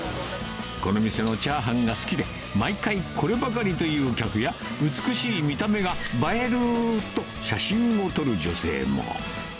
この店のチャーハンが好きで、毎回、こればかりという客や、美しい見た目が映えるーと、写真を撮る女性も。